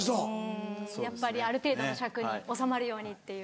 うんやっぱりある程度の尺に収まるようにっていう。